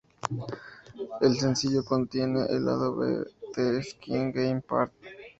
El sencillo contiene el lado B "The Skin Game part.